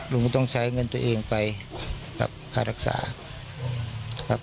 ลุงก็ต้องใช้เงินตัวเองไปกับค่ารักษาครับ